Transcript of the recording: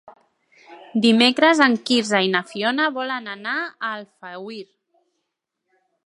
Dimecres en Quirze i na Fiona volen anar a Alfauir.